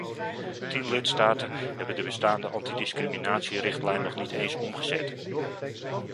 Tien lidstaten hebben de bestaande antidiscriminatierichtlijn nog niet eens omgezet.